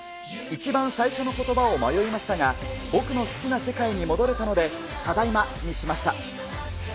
一番最初のことばを迷いましたが、僕の好きな世界に戻れたので、ただいまにしました。